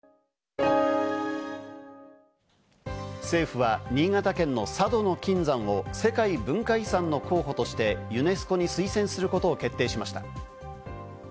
政府は新潟県の佐渡島の金山を世界文化遺産の候補として、ユネスコに推薦することを決定しました。